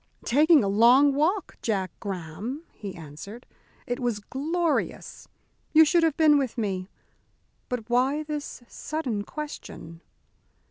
"Taking a long walk, Jack Graham," he answered. "It was glorious. You should have been with me. But why this sudden question?"